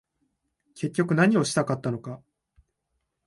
結局何をしたかったのか